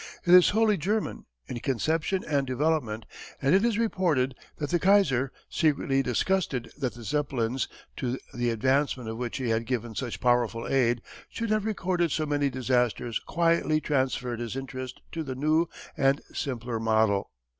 It is wholly German, in conception and development, and it is reported that the Kaiser, secretly disgusted that the Zeppelins, to the advancement of which he had given such powerful aid, should have recorded so many disasters, quietly transferred his interest to the new and simpler model.